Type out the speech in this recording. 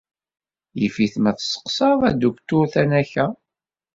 Yif-it ma tesseqsaḍ Aduktur Tanaka.